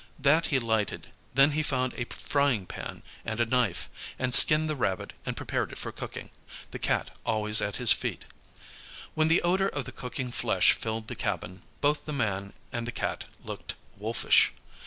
That he lighted; then he found a frying pan and a knife, and skinned the rabbit, and prepared it for cooking, the Cat always at his feet. When the odour of the cooking flesh filled the cabin, both the man and the Cat looked wolfish.